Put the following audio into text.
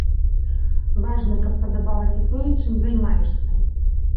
Важна, каб падабалася тое, чым займаешся.